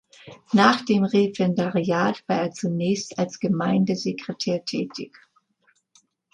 Nach dem Referendariat war er zunächst als Gemeindesekretär tätig.